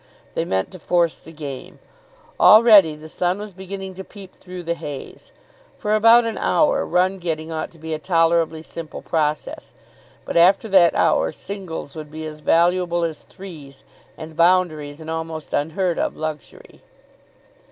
They meant to force the game. Already the sun was beginning to peep through the haze. For about an hour run getting ought to be a tolerably simple process; but after that hour singles would be as valuable as threes and boundaries an almost unheard of luxury.